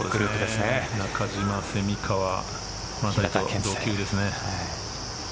中島、蝉川と同級ですね。